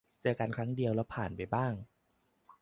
เจอครั้งเดียวแล้วผ่านไปบ้าง